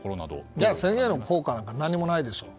いや、宣言の効果なんか何もないでしょう。